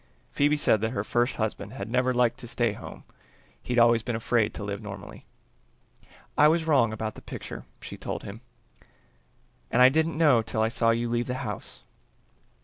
Phoebe said that her first husband had never liked to stay home, he'd always been afraid to live normally. "I was wrong about the picture," she told him, "and I didn't know till I saw you leave the house."